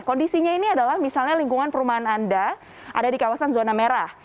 kondisinya ini adalah misalnya lingkungan perumahan anda ada di kawasan zona merah